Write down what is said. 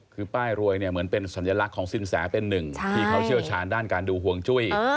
คือป้ายรวยเนี่ยเหมือนเป็นสัญลักษณ์ของสินแสเป็นหนึ่งที่เขาเชี่ยวชาญด้านการดูห่วงจุ้ย